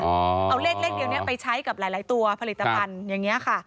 เอาเลขเลขเดียวนี้ไปใช้กับหลายตัวผลิตภัณฑ์อย่างนี้ค่ะ